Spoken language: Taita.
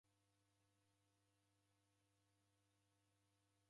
W'eshanwa magome ghaw'o